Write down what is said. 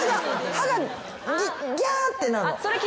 歯がギャーってなるのが嫌。